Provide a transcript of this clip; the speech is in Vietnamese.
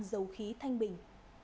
dầu khí thanh bình